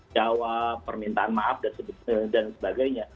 jawab permintaan maaf dan sebagainya